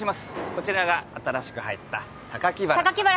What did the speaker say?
こちらが新しく入った榊原さん榊原